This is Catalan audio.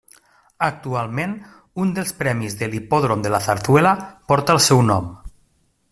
Actualment un dels premis de l'Hipòdrom de La Zarzuela porta el seu nom.